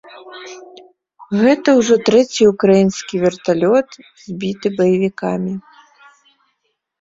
Гэта ўжо трэці ўкраінскі верталёт, збіты баевікамі.